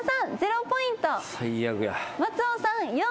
最悪や。